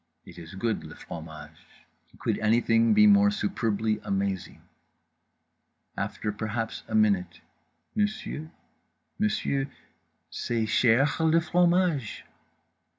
It is good, le fromage. Could anything be more superbly amazing? After perhaps a minute "_monsieur—monsieur—c'est chèr le fromage?